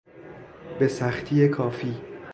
به سختی کافی